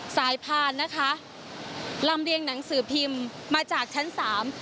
พานนะคะลำเลียงหนังสือพิมพ์มาจากชั้นสาม